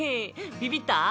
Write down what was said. ビビった？